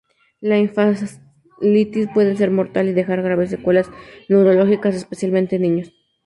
La encefalitis puede ser mortal o dejar graves secuelas neurológicas, especialmente en niños.